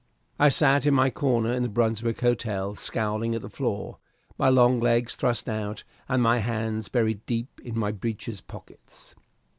I sat in my corner in the Brunswick Hotel, scowling at the floor, my long legs thrust out, and my hands buried deep in my breeches pockets.